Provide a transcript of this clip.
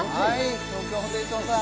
東京ホテイソンさん